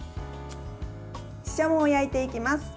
ししゃもを焼いていきます。